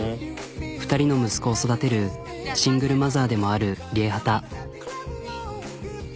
２人の息子を育てるシングルマザーでもあるＲＩＥＨＡＴＡ。